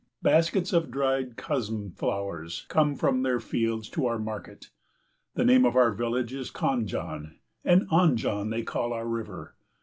Baskets of dried kusm flowers come from their fields to our market. The name of our village is Khanjan, and Anjan they call our river.